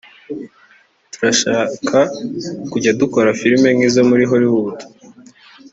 Turashaka kujya dukora filime nk’izo muri Hollywood